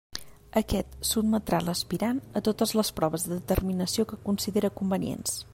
Aquest sotmetrà l'aspirant a totes les proves de determinació que considere convenients.